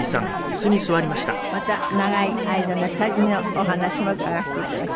また長い間の下積みのお話も伺わせていただきます。